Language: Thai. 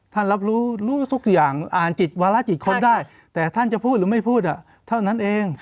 รับรู้รู้ทุกอย่างอ่านจิตวาระจิตคนได้แต่ท่านจะพูดหรือไม่พูดเท่านั้นเอง